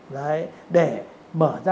đấy để mở ra một cái giai đoạn